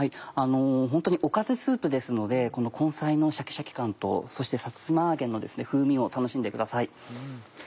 ホントにおかずスープですのでこの根菜のシャキシャキ感とそしてさつま揚げの風味を楽しんでください。